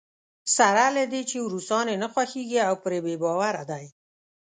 سره له دې چې روسان یې نه خوښېږي او پرې بې باوره دی.